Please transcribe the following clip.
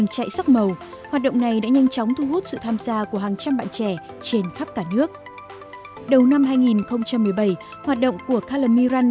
chỉ thấy được tấm đó là